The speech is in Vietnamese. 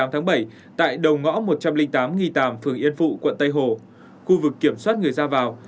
tháng bảy tại đồng ngõ một trăm linh tám nghi tàm phường yên phụ quận tây hồ khu vực kiểm soát người ra vào